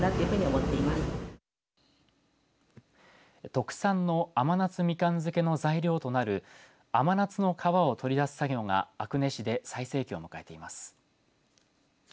特産の甘夏みかん漬の材料となる甘夏の皮を取り出す作業が阿久根市で最盛期を迎えています。